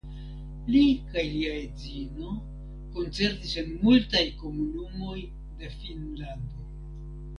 Li kaj lia edzino koncertis en multaj komunumoj de Finnlando.